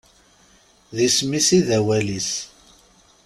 D isem-is i d awal-is.